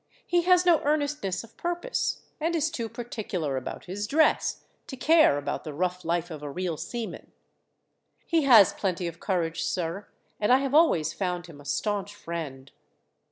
He has no earnestness of purpose, and is too particular about his dress to care about the rough life of a real seaman." "He has plenty of courage, sir, and I have always found him a staunch friend."